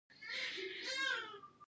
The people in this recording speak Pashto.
دوی غواړي پر دې هنر پوه شي.